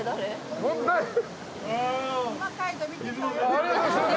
ありがとうございます。